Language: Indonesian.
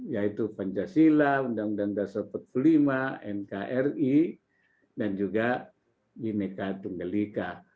yaitu pancasila undang undang dasar pertulima nkri dan juga bimeka tunggelika